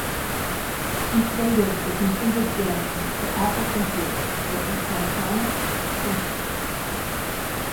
He traded the completed game to Apple Computer for a Centronics printer.